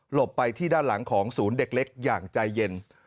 ไปที่ด้านหลังของศูนย์เด็กเล็กอย่างใจเย็น